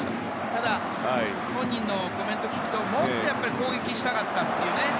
ただ本人のコメントを聞くともっと攻撃したかったという。